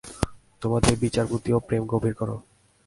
তোমাদের বিচার-বুদ্ধি ও প্রেম গভীর কর।